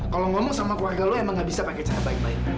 kalau ngomong sama keluarga lo emang gak bisa pakai cara baik baik